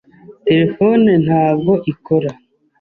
Terefone ntabwo ikora.